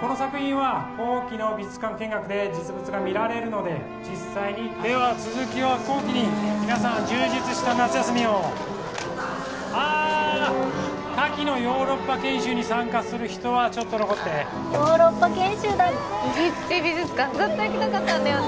この作品は後期の美術館見学で実物が見られるので実際にでは続きは後期に皆さん充実した夏休みをあ夏期のヨーロッパ研修に参加する人はちょっと残ってヨーロッパ研修だってウフィツィ美術館ずっと行きたかったんだよね